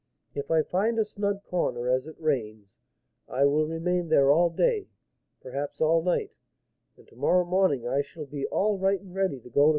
If I find a snug corner, as it rains, I will remain there all day, perhaps all night, and to morrow morning I shall be all right and ready to go to M.